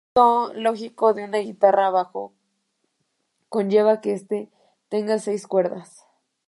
El concepto lógico de una guitarra bajo conlleva que tenga seis cuerdas.